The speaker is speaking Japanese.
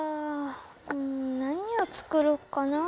うん何をつくろっかなぁ。